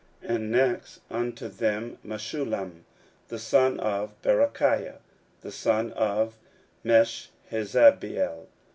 And next unto them repaired Meshullam the son of Berechiah, the son of Meshezabeel.